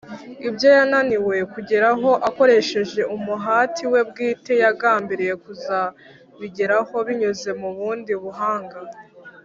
. Ibyo yananiwe kugeraho akoresheje umuhati we bwite yagambiriye kuzabigeraho binyuze mu bundi buhanga